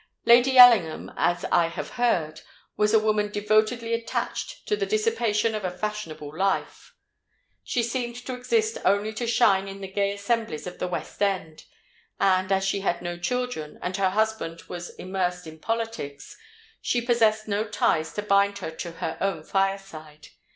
Lady Ellingham, as I have heard, was a woman devotedly attached to the dissipation of a fashionable life. She seemed to exist only to shine in the gay assemblies of the West End; and, as she had no children, and her husband was immersed in politics, she possessed no ties to bind her to her own fireside.